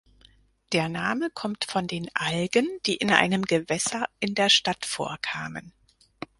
Der Name kommt von den Algen, die in einem Gewässer in der Stadt vorkamen.